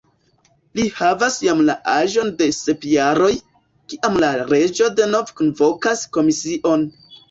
Li havas jam la aĝon de sep jaroj, kiam la reĝo denove kunvokas komision.